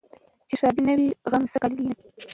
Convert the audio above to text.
چي ښادي نه وي غم څه ګالل یې څه دي